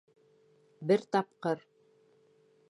Бер тапҡыр...